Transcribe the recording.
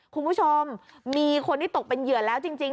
คุณผู้ชมมีคนที่ตกเป็นเหยื่อแล้วจริง